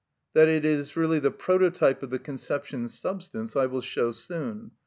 That it is really the prototype of the conception substance, I will show soon.